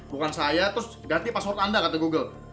bukan saya terus ganti password anda kata google